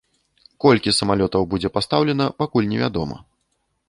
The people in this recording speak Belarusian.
Колькі самалётаў будзе пастаўлена, пакуль невядома.